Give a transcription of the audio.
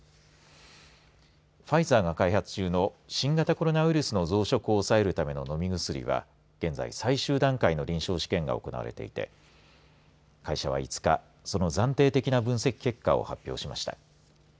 ファイザーが開発中の新型コロナウイルスの増殖を抑えるための飲み薬は現在、最終段階の臨床試験が行われていて会社は５日その暫定的な分析結果を発表しました。